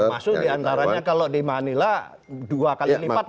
termasuk di antaranya kalau di manila dua kali lipat dibandingkan